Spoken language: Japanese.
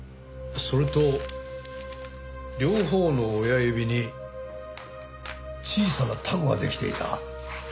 それと両方の親指に小さなタコができていた。